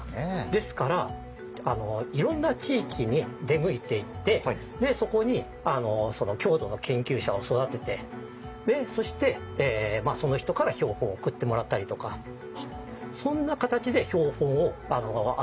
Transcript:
ですからいろんな地域に出向いていってそこに郷土の研究者を育ててそしてその人から標本を送ってもらったりとかそんな形で標本を集めたんです。